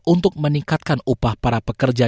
untuk meningkatkan upah para pekerja